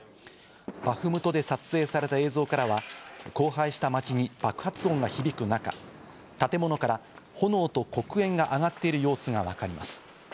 バフムトで撮影された映像からは荒廃した街に爆発音が響く中、建物から炎と黒煙が上がっている様子がわかります。